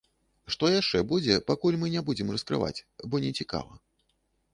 Што яшчэ будзе, пакуль мы не будзем раскрываць, бо не цікава.